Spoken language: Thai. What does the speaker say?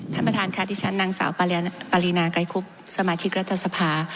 ท่านประธานค่ะที่ฉันนางสาวปรินาไกรคุบสมาชิกรัฐสภา